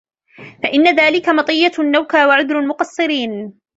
فَإِنَّ ذَلِكَ مَطِيَّةُ النَّوْكَى وَعُذْرُ الْمُقَصِّرِينَ